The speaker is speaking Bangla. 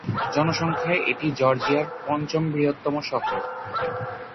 জনসংখ্যায় এটি জর্জিয়ার পঞ্চম বৃহত্তম শহর।